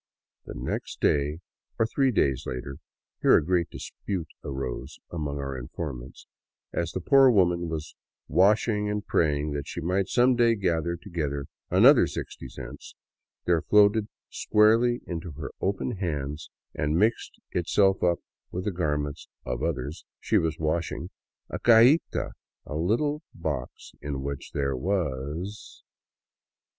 The next day — or three days later; here a great dispute arose among our informants — as the poor woman was washing and praying that she might some day gather together an other sixty cents, there floated squarely into her open hands and mixed itself up with the garments — of others — she was washing, a cajita, a little box in which there was.